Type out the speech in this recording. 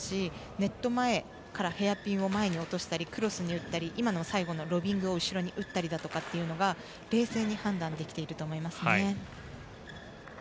ネット前からヘアピンを前に落としたりクロスに打ったり今の最後のロビングを後ろに打ったりだとかっていうのが冷静に判断できていると思いますね。